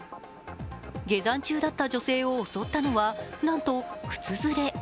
下山中だった女性を襲ったのはなんと、靴ずれ。